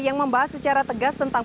yang membahas secara tegas tentang